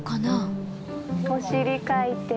お尻かいて。